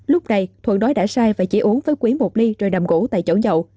lúc này thuận nói đã sai và chỉ uống với quý một ly rồi nằm ngủ tại chỗ nhậu